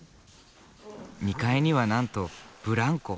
２階にはなんとブランコ。